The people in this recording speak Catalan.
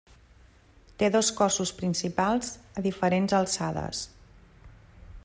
Té dos cossos principals a diferents alçades.